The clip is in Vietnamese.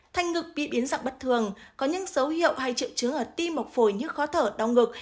thanh ngực bị biến dạng bất thường có những dấu hiệu hay triệu chứng ở tim mọc phổi như khó thở đau ngực